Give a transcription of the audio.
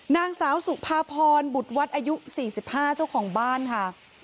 นางสาวสุภาพรบุตรวัดอายุ๔๕เจ้าของบ้านค่ะ